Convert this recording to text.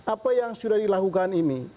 apa yang sudah dilakukan ini